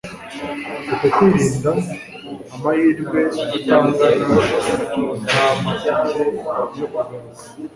uku kwirinda a mahirwe atangana nta matike yo kugaruka